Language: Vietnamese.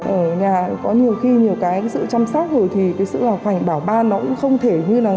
ở nhà có nhiều khi nhiều cái sự chăm sóc rồi thì cái sự là khoảnh bảo ba nó cũng không thể như là